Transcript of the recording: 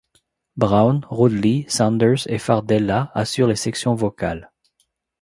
Braun, Rodli, Saunders et Fardella assurent les sections vocales.